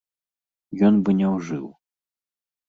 Ён бы не ўжыў.